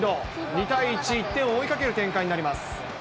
２対１、１点を追いかける展開になります。